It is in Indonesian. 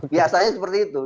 biasanya seperti itu